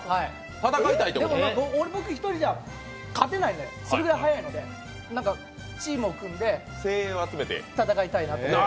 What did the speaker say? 僕１人じゃ勝てないので、それぐらい速いので、チームを組んで戦いたいなと思って。